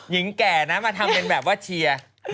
แก่นะมาทำเป็นแบบว่าเชียร์